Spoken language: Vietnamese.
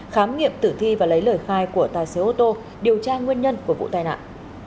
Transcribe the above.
khám nghiệm tử thi và lấy lời khai của tài xế ô tô điều tra nguyên nhân của vụ tai nạn